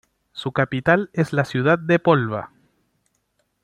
Su capital es la ciudad de Põlva.